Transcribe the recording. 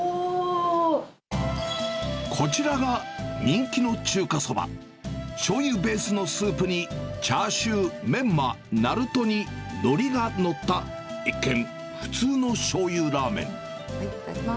こちらが人気の中華そば、しょうゆベースのスープに、チャーシュー、メンマ、ナルトにのりが載った、一見、普通のしょうゆラーメン。